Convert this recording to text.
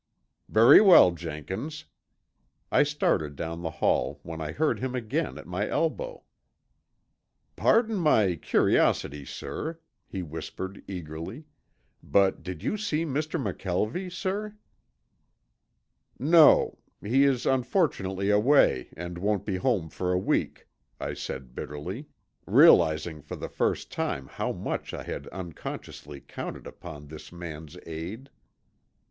"Very well, Jenkins." I started down the hall when I heard him again at my elbow. "Pardon my curiosity, sir," he whispered eagerly, "but did you see Mr. McKelvie, sir?" "No. He is unfortunately away and won't be home for a week," I said bitterly, realizing for the first time how much I had unconsciously counted upon this man's aid.